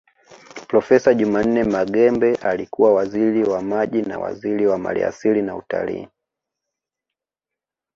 Profesa Jumanne Maghembe alikuwa Waziri wa Maji na waziri wa maliasili na utalii